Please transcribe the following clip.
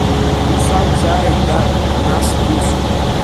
Ус акәзааит, дад, нас ус…